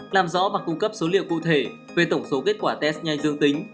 làm rõ và cung cấp số liệu cụ thể về tổng số kết quả test nhanh dương tính